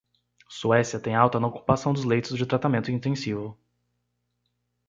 Suécia tem alta na ocupação dos leitos de tratamento intensivo